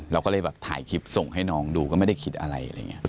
เราก็เลยแบบถ่ายคลิปส่งให้น้องดูก็ไม่ได้คิดอะไรอะไรอย่างนี้